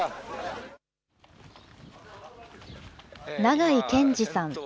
長井健司さん。